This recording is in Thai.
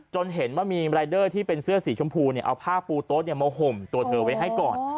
เห็นว่ามีรายเดอร์ที่เป็นเสื้อสีชมพูเอาผ้าปูโต๊ะมาห่มตัวเธอไว้ให้ก่อน